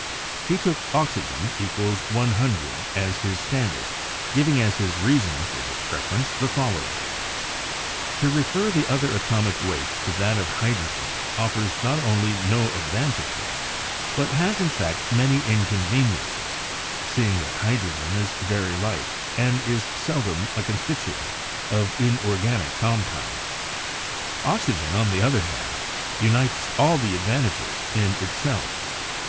He took oxygen =100 as his standard, giving as his reason for this preference the following: "To refer the other atomic weights to that of hydrogen offers not only no advantages, but has, in fact, many in conveniences, seeing that hydrogen is very light and is seldom a constituent of inorganic compounds. Oxygen, on the other hand, unites all the advantages in itself.